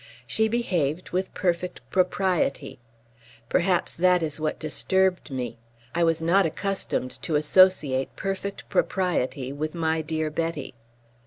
She behaved with perfect propriety. Perhaps that is what disturbed me. I was not accustomed to associate perfect propriety with my dear Betty.